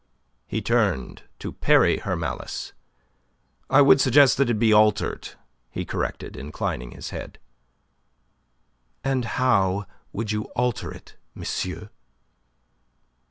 He turned to parry her malice. "I would suggest that it be altered," he corrected, inclining his head. "And how would you alter it, monsieur?"